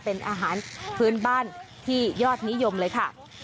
เป็นอาหารพื้นบ้านที่ยอดนิยมเลยค่ะ